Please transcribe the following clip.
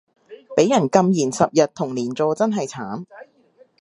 畀人禁言十日同連坐真係慘